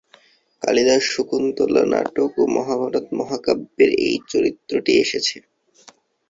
কালিদাসের শকুন্তলা নাটক ও মহাভারত মহাকাব্যে এই চরিত্রটি এসেছে।